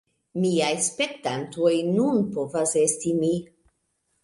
Miaj spektantoj nun povas esti mi